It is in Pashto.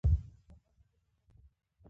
افغانستان د ژبو د ساتنې لپاره قوانین لري.